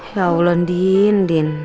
ya allah din